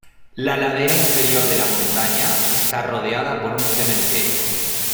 La ladera inferior de la montaña está rodeada por un cementerio.